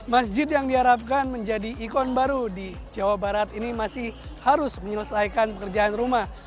masjid yang diharapkan menjadi ikon baru di jawa barat ini masih harus menyelesaikan pekerjaan rumah